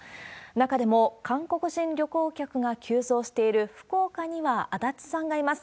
中でも、韓国人旅行客が急増している福岡には足立さんがいます。